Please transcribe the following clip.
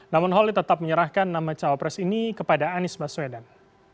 namun holi tetap menyerahkan nama cawapres ini kepada anies baswedan